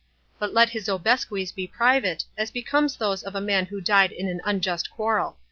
But let his obsequies be private, as becomes those of a man who died in an unjust quarrel.